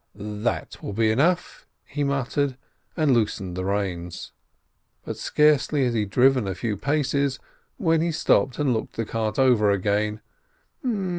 "That will be enough," he muttered, and loosened the reins. But scarcely had he driven a few paces, when he stopped and looked the cart over again.